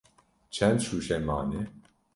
Çend şûşe mane?